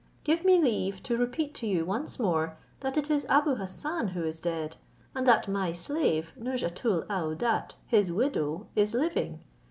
Give me leave to repeat to you once more, that it is Abou Hassan who is dead, and that my slave Nouzhatoul aouadat, his widow, is living.